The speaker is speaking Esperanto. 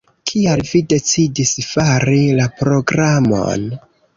Kial vi decidis fari la programon?